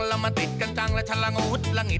แล้วมันติดกันจังแล้วฉลังหุดละหงิด